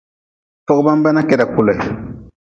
Fogʼban benah keda kule.